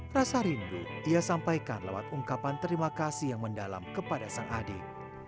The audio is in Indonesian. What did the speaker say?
rasa rindu ia sampaikan lewat ungkapan terima kasih yang mendalam kepada sang adik